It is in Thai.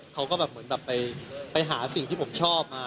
เค้าก็เหมือนไปหาสิ่งที่ผมชอบมา